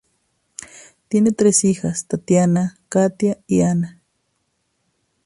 Tiene tres hijas, Tatiana, Katia y Anna.